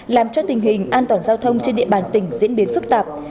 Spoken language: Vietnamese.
làm cho tình hình an toàn giao thông trên địa bàn tỉnh diễn biến phức tạp